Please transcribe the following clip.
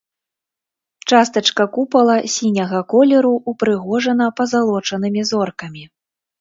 Частачка купала сіняга колеру, упрыгожана пазалочанымі зоркамі.